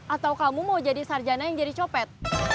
atau kamu mau jadi sarjana yang jadi copet